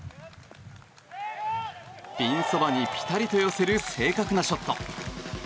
ピンそばにピタリと寄せる正確なショット。